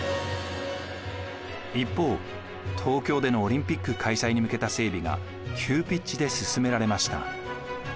一方東京でのオリンピック開催に向けた整備が急ピッチで進められました。